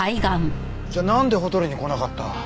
じゃあなんでホテルに来なかった？